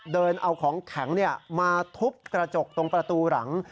เดินเอาของแข็งมาทุบกระจกตรงประตูหลัง